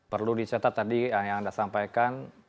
perlu dicetak tadi yang anda sampaikan